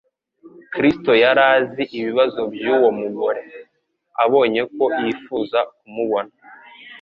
Kristo yari azi ibibazo by'uwo mugore. Abonye ko yifuza kumubona,